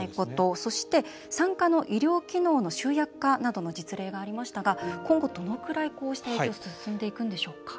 そして、産科の医療機能の集約化などの実例がありましたが今後、どれくらいこうした影響進んでいくんでしょうか？